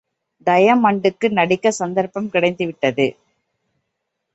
டயமண்டுக்கு நடிக்கச் சந்தர்ப்பம் கிடைத்துவிட்டது.